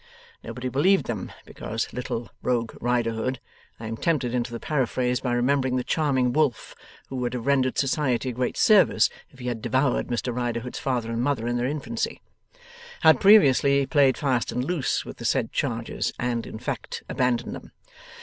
Nobody believed them, because little Rogue Riderhood I am tempted into the paraphrase by remembering the charming wolf who would have rendered society a great service if he had devoured Mr Riderhood's father and mother in their infancy had previously played fast and loose with the said charges, and, in fact, abandoned them.